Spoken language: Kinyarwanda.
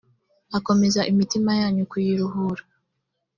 akomeze imitima yanyu kuyiruhura